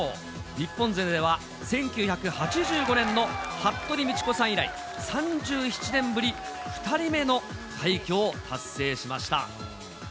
日本勢では１９８５年の服部道子さん以来、３７年ぶり２人目の快挙を達成しました。